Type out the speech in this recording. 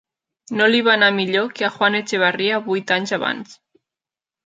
No li va anar millor que a Juan Echavarria vuit anys abans.